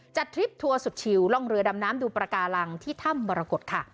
ทริปทัวร์สุดชิล่องเรือดำน้ำดูประการังที่ถ้ำมรกฏค่ะ